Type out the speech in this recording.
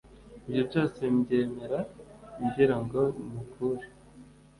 ibyo byose mbyemera ngira ngo mukure,